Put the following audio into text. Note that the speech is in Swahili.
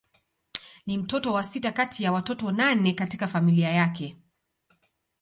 Ni mtoto wa sita kati ya watoto nane katika familia yake.